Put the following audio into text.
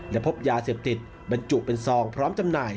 และพบยาเสพติดบรรจุเป็นซองพร้อมจำหน่าย